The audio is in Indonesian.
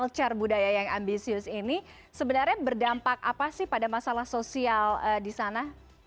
melture budaya yang ambisius ini sebenarnya berdampak apa sih pada masalah sosial di sana